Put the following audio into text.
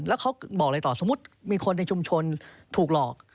แล้วเขาบอกอะไรต่อสมมุติมีคนในชุมชนถูกหลอก